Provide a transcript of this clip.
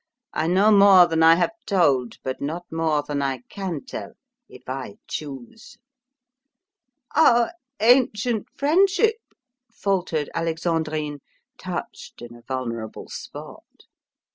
I know more than I have told, but not more than I can tell, if I choose." "Our ancient friendship" faltered Alexandrine, touched in a vulnerable spot.